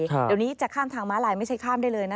เดี๋ยวนี้จะข้ามทางม้าลายไม่ใช่ข้ามได้เลยนะ